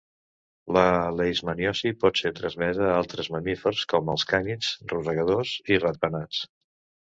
La leishmaniosi pot ser transmesa a altres mamífers com els cànids, rosegadors i ratpenats.